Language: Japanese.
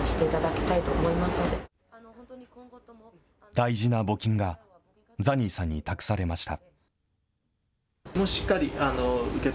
大事な募金が、ザニーさんに託されました。